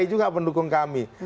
juga pendukung kami